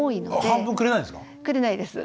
半分くれないんですか？